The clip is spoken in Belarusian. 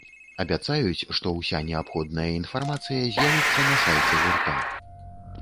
Абяцаюць, што ўся неабходная інфармацыя з'явіцца на сайце гурта.